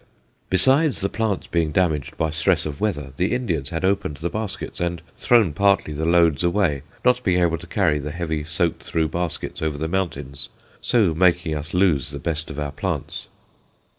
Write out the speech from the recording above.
Besides the plants being damaged by stress of weather, the Indians had opened the baskets and thrown partly the loads away, not being able to carry the heavy soaked through baskets over the mountains, so making us lose the best of our plants.